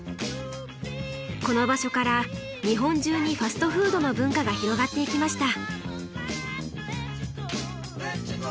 この場所から日本中にファストフードの文化が広がっていきました。